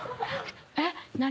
えっ何？